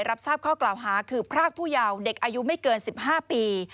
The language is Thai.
รับทราบข้อกล่าวหาคือพรากผู้เยาว์เด็กอายุไม่เกิน๑๕ปี